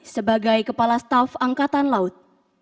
sebagai kepala staf angkatan laut